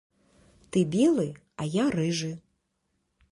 Ты белы, а я рыжы.